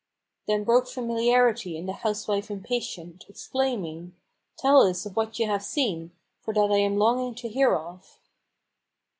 Then broke familiarly in the housewife impatient, exclaiming: "Tell us of what ye have seen; for that I am longing to hear of!"